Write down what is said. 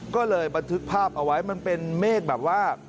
ก็เลยบันทึกภาพเอาไว้มันเป็นเมฆแบบว่า